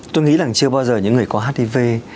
tôi nghĩ là chưa bao giờ những người có hiv